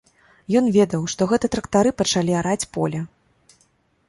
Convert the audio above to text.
Ён ведаў, што гэта трактары пачалі араць поле.